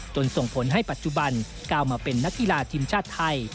ส่งผลให้ปัจจุบันก้าวมาเป็นนักกีฬาทีมชาติไทย